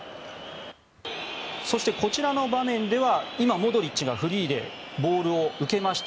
そして、こちらの場面では今、モドリッチがフリーでボールを受けました。